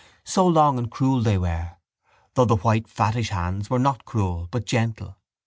So long and cruel they were though the white fattish hands were not cruel but gentle.